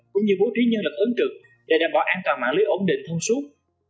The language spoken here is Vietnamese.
cũng như bố trí nhân lực ứng trực để đảm bảo an toàn mạng lưới ổn định thông suốt